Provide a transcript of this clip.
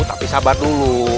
tapi sabar dulu